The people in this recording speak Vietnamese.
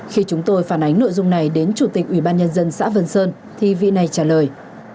khi chúng tôi phản ánh nội dung này đến chủ tịch ubnd xã văn sơn thì vị này trả lời